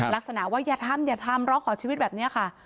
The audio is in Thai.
ลักษณะว่าอย่าทำอย่าทำร้องขอชีวิตแบบนี้ค่ะ